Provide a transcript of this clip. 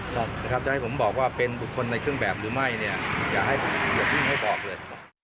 จะให้ผมบอกว่าเป็นบุคคลในเครื่องแบบหรือไม่อยากดิ้งให้บอกเลย